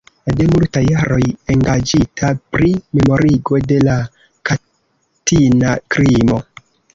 De multaj jaroj engaĝita pri memorigo de la katina krimo.